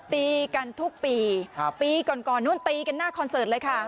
ตีกันทุกปีปีก่อนก่อนนู้นตีกันหน้าคอนเสิร์ตเลยค่ะ